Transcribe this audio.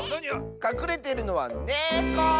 かくれているのはネコ！